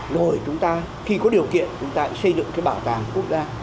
rồi chúng ta khi có điều kiện chúng ta xây dựng cái bảo tàng quốc gia